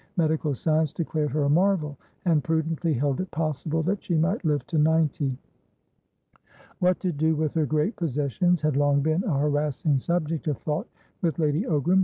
Medical science declared her a marvel, and prudently held it possible that she might live to ninety. What to do with her great possessions had long been a harassing subject of thought with Lady Ogram.